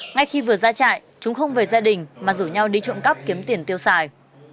ngay khi vừa ra trại chúng không về gia đình mà rủ nhau đi trộm cắp kiếm tiền tiêu xài